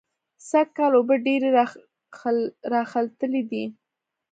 سږکال اوبه ډېرې راخلتلې دي.